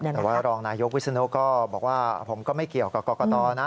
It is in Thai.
แต่ว่ารองนายกวิศนุก็บอกว่าผมก็ไม่เกี่ยวกับกรกตนะ